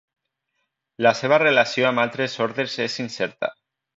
La seva relació amb altres ordres és incerta.